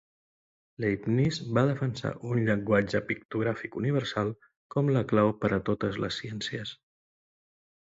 Leibniz va defensar un llenguatge pictogràfic universal com la clau per a totes les ciències.